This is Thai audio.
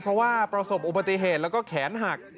เพราะว่าประสบอุบัติเหตุแล้วก็แขนหัก